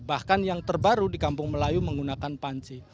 bahkan yang terbaru di kampung melayu menggunakan panci